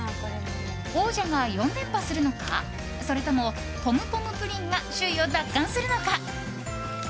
王者が４連覇するのかそれとも、ポムポムプリンが首位を奪還するのか。